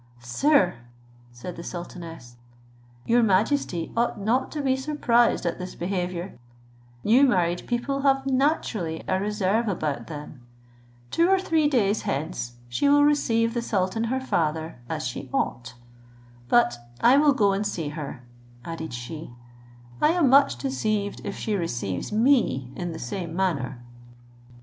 "Sir," said the sultaness, "your majesty ought not to be surprised at this behaviour; new married people have naturally a reserve about them; two or three days hence she will receive the sultan her father as she ought: but I will go and see her," added she; "I am much deceived if she receives me in the same manner."